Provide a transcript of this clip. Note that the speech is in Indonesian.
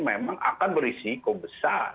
memang akan berisiko besar